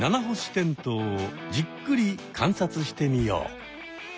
テントウをじっくり観察してみよう！